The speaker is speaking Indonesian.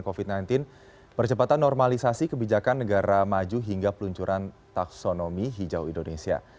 covid sembilan belas percepatan normalisasi kebijakan negara maju hingga peluncuran taksonomi hijau indonesia